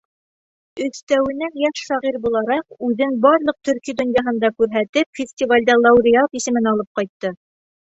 Өҫтәүенә, йәш шағир булараҡ, үҙен барлыҡ төрки донъяһында күрһәтеп, фестивалдә лауреат исемен алып ҡайтты.